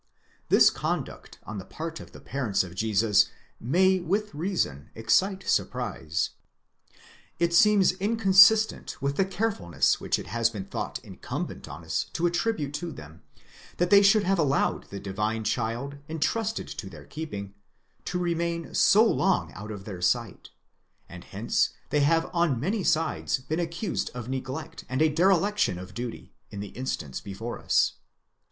This conduct on the part of the parents of Jesus may with reason excite surprise. It seems inconsistent with the carefulness which it has been thought incumbent on us to attribute to them, that they should have allowed the divine child entrusted to their keeping, to remain so long out of their sight; and hence they have on many sides been accused of ne glect and a dereliction of duty, in the instance before us.